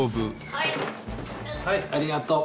はいありがとう。